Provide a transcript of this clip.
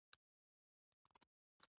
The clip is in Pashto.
بیا به د پلان له مخې صفوي سیمې ته روانېږو.